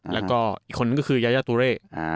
แล้วก็อีกคนนึงก็คือยายาตุเร่